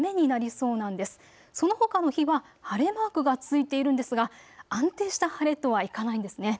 そのほかの日は晴れマークがついているんですが安定した晴れとはいかないんですね。